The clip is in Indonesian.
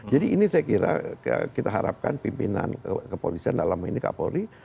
jadi ini saya kira kita harapkan pimpinan kepolisian dalam hal ini kak polri